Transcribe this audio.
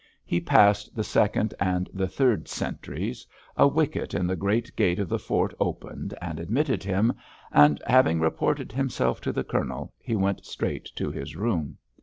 He passed the second and the third sentries, a wicket in the great gate of the fort opened and admitted him, and, having reported himself to the Colonel, he went straight to his room.